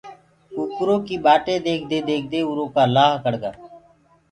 ڪُڪَرو ڪي ٻآٽي ديکدي ديکدي اورو ڪآ لآه ڪڙگآ۔